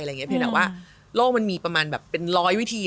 เพราะฉะนั้นว่าโลกมันมีประมาณแบบเป็นร้อยวิธี